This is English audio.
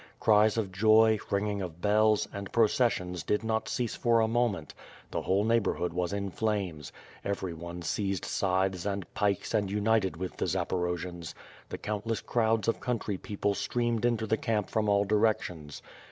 Cries of joy, ringing of bells, and processions did not cease for a moment; the whole neighborhood was in flames; everyone seized scythes and pikes and united with the Zaporojians; the countless crowds of country })eople streamed into the camp from all directions.